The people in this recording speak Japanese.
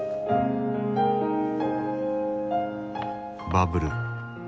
バブル。